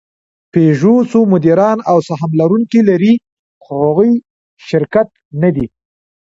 پيژو څو مدیران او سهم لرونکي لري؛ خو هغوی شرکت نهدي.